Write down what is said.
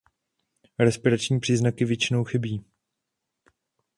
Respirační příznaky většinou chybí.